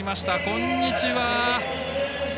こんにちは。